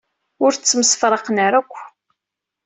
Ur ttemsefraqen ara akk.